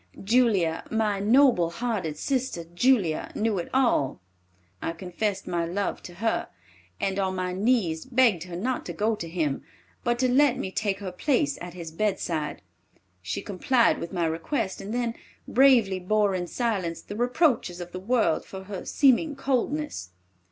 Julia, my noble hearted sister Julia, knew it all. I confessed my love to her, and on my knees begged her not to go to him, but to let me take her place at his bedside. She complied with my request, and then bravely bore in silence the reproaches of the world for her seeming coldness.